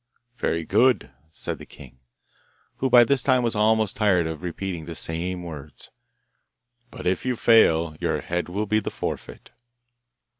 'Very good,' said the king, who by this time was almost tired of repeating the same words; 'but if you fail your head will be the forfeit.